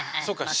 そう。